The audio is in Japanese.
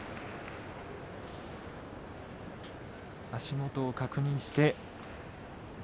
足元を確認して。